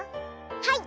はい。